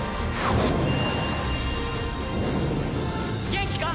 元気か？